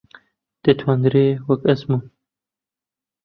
دەتوانرێ وەک ئەزموون